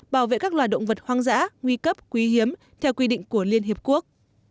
bảo vệ các loài động vật hoang dã nguy cấp quý hiếm theo quy định của liên hiệp quốc